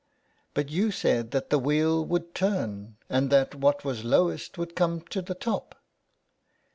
'^ But you said that the wheel would turn, and that what was lowest would come to the top."